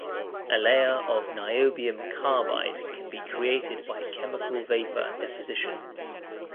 A layer of niobium carbide can be created by chemical vapor deposition.